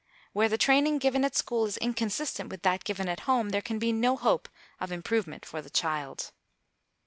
Where the training given at school is inconsistent with that given at home, there can be no hope of improvement for the child.